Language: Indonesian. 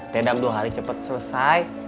tedam dua hari cepat selesai